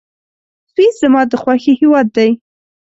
سویس زما د خوښي هېواد دی.